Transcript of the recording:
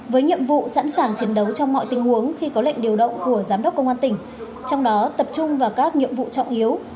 với nhiệm vụ sẵn sàng chiến đấu trong mọi tình huống khi có lệnh điều động của giám đốc công an tỉnh trong đó tập trung vào các nhiệm vụ trọng yếu